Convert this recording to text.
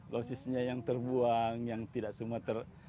losisnya yang terbuang yang tidak semua ter